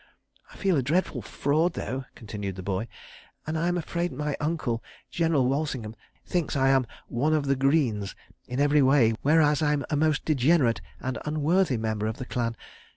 "I feel a dreadful fraud, though," continued the boy, "and I am afraid my uncle, General Walsingham, thinks I am 'one of the Greenes' in every way, whereas I'm a most degenerate and unworthy member of the clan.